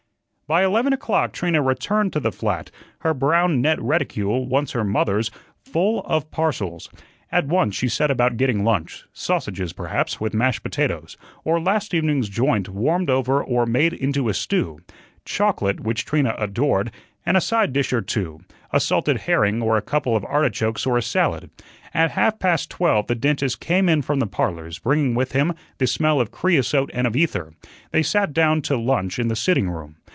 By eleven o'clock Trina returned to the flat, her brown net reticule once her mother's full of parcels. At once she set about getting lunch sausages, perhaps, with mashed potatoes; or last evening's joint warmed over or made into a stew; chocolate, which Trina adored, and a side dish or two a salted herring or a couple of artichokes or a salad. At half past twelve the dentist came in from the "Parlors," bringing with him the smell of creosote and of ether. They sat down to lunch in the sitting room.